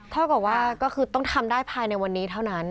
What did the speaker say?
เท่ากับว่าก็คือต้องทำได้ภายในวันนี้เท่านั้น